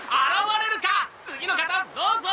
次の方どうぞ！